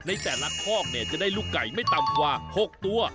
ในแต่ละคอกจะได้ลูกไก่ไม่ต่ำกว่า๖ตัว